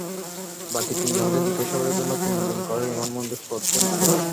বাকি তিনজনকে জিজ্ঞাসাবাদের জন্য তিন দিন করে রিমান্ড মঞ্জুর করেছেন আদালত।